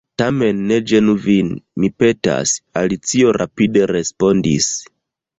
"Tamen ne ĝenu vin, mi petas," Alicio rapide respondis.